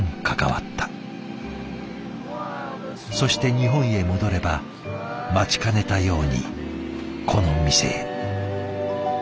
そして日本へ戻れば待ちかねたようにこの店へ。